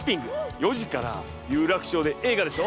４時から有楽町で映画でしょ？